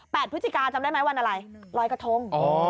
พฤศจิกาจำได้ไหมวันอะไรลอยกระทง